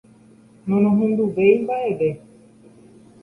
Norohenduvéi mba'eve.